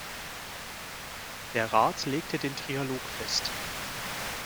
Der Rat legte den Trialog fest.